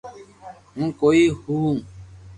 ھون ڪوئي ھووُ